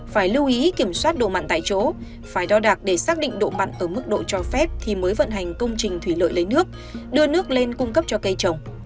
phải lưu ý kiểm soát độ mặn tại chỗ phải đo đạc để xác định độ mặn ở mức độ cho phép thì mới vận hành công trình thủy lợi lấy nước đưa nước lên cung cấp cho cây trồng